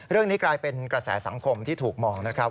เรื่องนี้กลายเป็นกระแสสังคมที่ถูกมองนะครับ